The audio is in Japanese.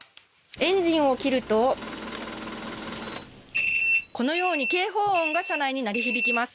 エンジンを切るとこのように警報音が車内に鳴り響きます。